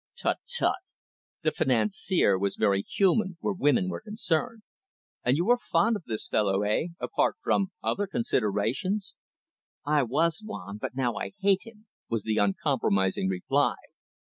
"Tut, tut." The "financier" was very human where women were concerned. "And you are fond of this fellow, eh, apart from other considerations?" "I was, Juan, but now I hate him," was the uncompromising reply.